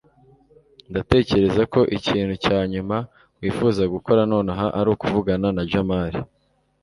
ndatekereza ko ikintu cya nyuma wifuza gukora nonaha ari ukuvugana na jamali